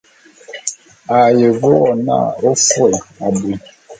A ye ve wo n'a ô fôé abui.